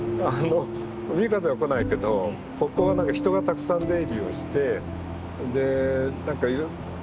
海風は来ないけどここは人がたくさん出入りをして渋谷なりの多様性